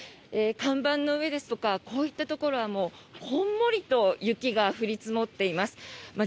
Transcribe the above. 看板の上やこういったところはこんもりと雪が降り積もっています。